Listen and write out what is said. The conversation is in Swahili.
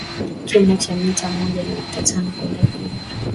kimo cha mita moja nukta tano kwenda juu